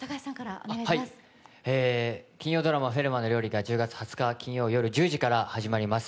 金曜ドラマ「フェルマーの料理」が１０月２０日金曜夜から始まります。